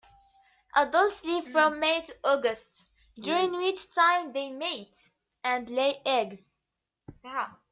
Adults live from May to August, during which time they mate and lay eggs.